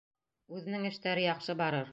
Үҙенең эштәре яҡшы барыр.